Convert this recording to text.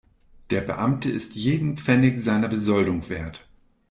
Der Beamte ist jeden Pfennig seiner Besoldung wert.